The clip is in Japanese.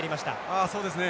ああそうですね。